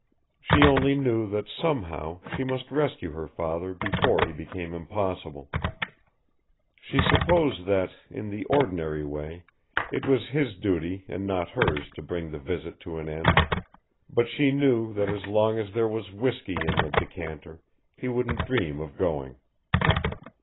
She only knew that somehow she must rescue her father before he became impossible. She supposed that, in the ordinary way, it was his duty and not hers to bring the visit to an end, but she knew that as long as there was whiskey in the decanter he wouldn't dream of going.